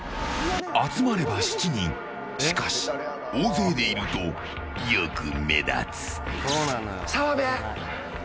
集まれば７人しかし大勢でいると、よく目立つ。